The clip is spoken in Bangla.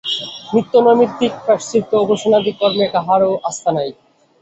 নিত্য নৈমিত্তিক প্রায়শ্চিত্ত উপাসনাদি কর্মে কাহারও আস্থা নাই।